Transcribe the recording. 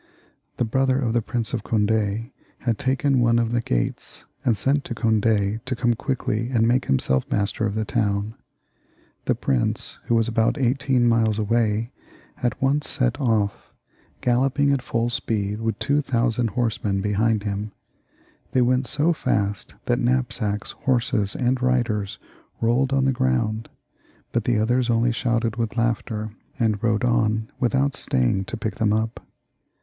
The brother of the Prince of Cond6 had taken one of the gates, and sent to Cond^ to come quickly and make himself master of the town. The prince, who was about eighteen miles away, at once set off, gallop ping at fuU speed with two thousand horsemen behind him : they went so fast that knapsacks, horses, and riders rolled on the ground, but the others only shouted with laughter, and rode on without staying to pick them up.